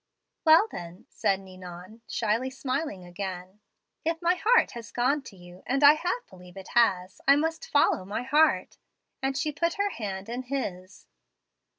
"'Well, then,' said Ninon, shyly smiling again, 'if my heart has gone to you, and I half believe it has, I must follow my heart'; and she put her hand in his."